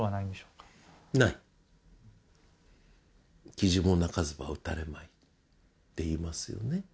「キジも鳴かずば撃たれまい」っていいますよね